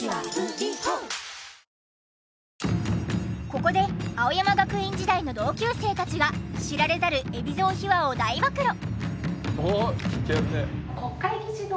ここで青山学院時代の同級生たちが知られざる海老蔵秘話を大暴露！